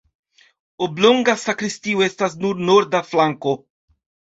Oblonga sakristio estas sur norda flanko.